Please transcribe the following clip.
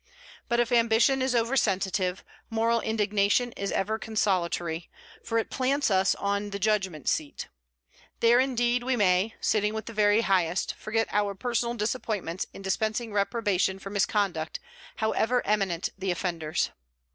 But if ambition is oversensitive, moral indignation is ever consolatory, for it plants us on the Judgement Seat. There indeed we may, sitting with the very Highest, forget our personal disappointments in dispensing reprobation for misconduct, however eminent the offenders.